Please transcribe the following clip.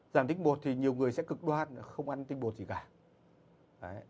giảm tinh bột thì nhiều người sẽ cực đoan không ăn tinh bột gì cả